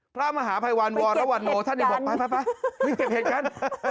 พระมหาภัยวรรณวรรณโอนท่านอย่าบอกไปไปเก็บเห็ดกันพระเจ้าไปเก็บเห็ดกัน